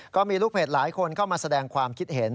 ก็มีลูกเพจหลายคนเข้ามาแสดงความคิดเห็น